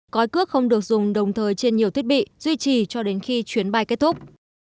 cói cước không được dùng đồng thời trên nhiều thiết bị duy trì cho đến khi chuyến bay kết thúc